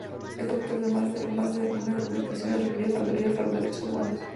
Es autor de más de una decena de publicaciones referidas a los derechos humanos.